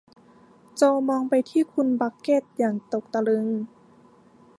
โจมองไปที่คุณบักเก็ตอย่างตกตะลึง